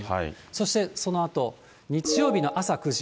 そしてそのあと、日曜日の朝９時。